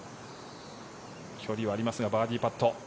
距離はありますがバーディーパット。